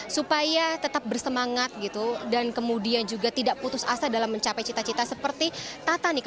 supaya tetap bersemangat gitu dan kemudian juga tidak putus asa dalam mencapai cita cita seperti tata nik